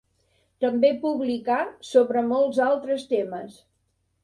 També publicà sobre molts altres temes.